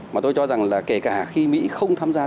mà tôi cho rằng là kể cả khi mỹ không tham gia